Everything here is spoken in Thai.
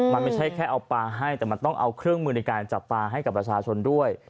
มันไม่ใช่แค่เอาปลาให้แต่มันต้องเอาเครื่องมือในการจับปลาให้กับประชาชนด้วย